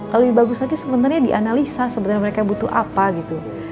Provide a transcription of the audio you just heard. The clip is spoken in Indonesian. kalau lebih bagus lagi sebenarnya dianalisa sebenarnya mereka butuh apa gitu